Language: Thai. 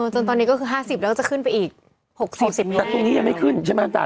จนตอนนี้ก็คือ๕๐แล้วก็จะขึ้นไปอีก๖๐บาท